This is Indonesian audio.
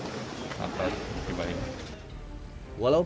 walaupun rektoratnya tidak menerima pesan permohonan maaf